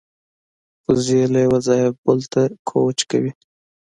وزې له یوه ځایه بل ته کوچ کوي